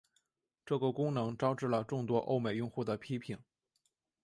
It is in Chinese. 这个功能招致了众多欧美用户的批评。